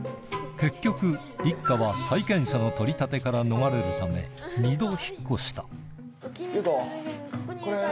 結局一家は債権者の取り立てから逃れるためそうか。